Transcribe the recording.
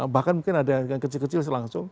bahkan mungkin ada yang kecil kecil selangsung